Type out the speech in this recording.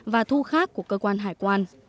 và thu khác của cơ quan hải quan